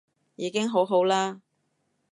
已經好好啦